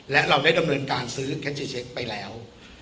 และเราได้ดำเนินการซื้อแคทจีเช็คไปแล้ว